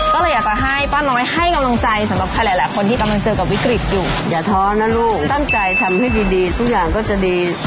ก็เลยอยากจะให้ป้าน้อยให้กำลังใจ